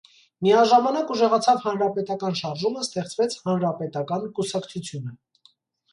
Միաժամանակ ուժեղացավ հանրապետական շարժումը, ստեղծվեց հանրապետական կուսակցությունը։